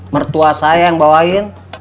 mertua saya yang bawain